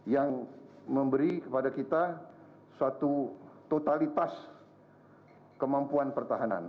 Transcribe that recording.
yang memberi kepada kita suatu totalitas kemampuan pertahanan